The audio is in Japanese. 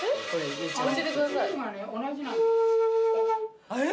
教えてください。